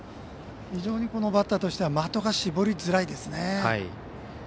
非常に、バッターとしては的が絞りづらいですね。